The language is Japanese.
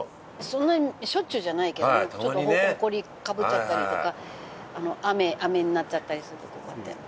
そんなにしょっちゅうじゃないけどもちょっとほこりかぶっちゃったりとか雨になっちゃったりするとこうやって。